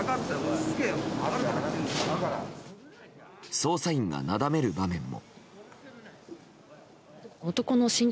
捜査員がなだめる場面も。